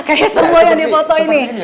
kayaknya semua yang dipoto ini